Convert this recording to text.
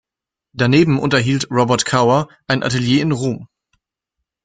Daneben unterhielt Robert Cauer ein Atelier in Rom.